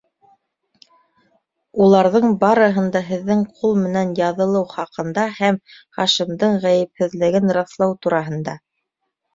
Уларҙың барыһын да һеҙҙең ҡул менән яҙылыу хаҡында һәм Хашимдың ғәйепһеҙлеген раҫлау тураһында...